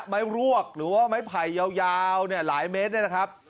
รวกหรือว่าไม้ไผ่ยาวเนี่ยหลายเมตรเนี่ยนะครับ